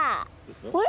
あれ？